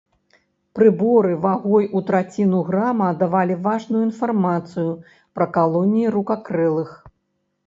Прыборы вагой у траціну грама давалі важную інфармацыю пра калоніі рукакрылых.